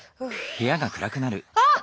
あっ！